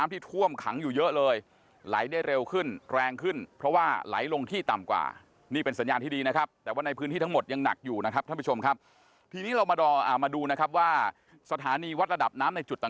แต่เป็นประตูกรรมวัดรัดอับน้ำ